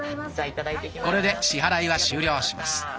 これで支払いは終了します。